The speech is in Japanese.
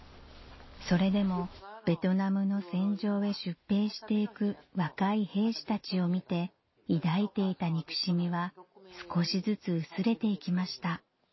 それでもベトナムの戦場へ出兵していく若い兵士たちを見て抱いていた憎しみは少しずつ薄れていきました